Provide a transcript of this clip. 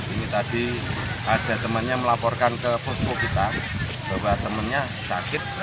ini tadi ada temannya melaporkan ke posko kita bahwa temannya sakit